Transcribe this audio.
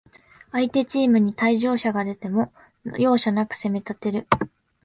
相手チームに退場者が出ても、容赦なく攻めたてる